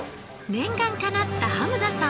念願かなったハムザさん。